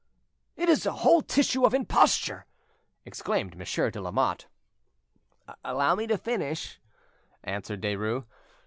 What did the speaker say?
"It is a whole tissue of imposture!" exclaimed Monsieur de Lamotte. "Allow me to finish," answered Derues.